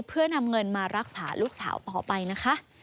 เพื่อนำเงินมารักษาลูกสาวต่อไปนะคะ